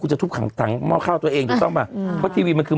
กูจะทู่คังมากข้างตัวเองถูกต้องไหมคือก็ทีวีมันคือ